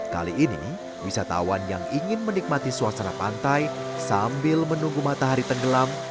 kali ini wisatawan yang ingin menikmati suasana pantai sambil menunggu matahari tenggelam